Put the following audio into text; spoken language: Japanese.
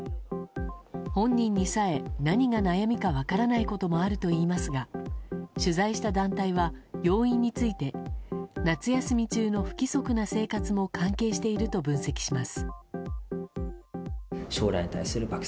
本人にさえ何が悩みか分からないこともあるといいますが取材した団体は、要因について夏休み中の不規則な生活も関係していると分析します。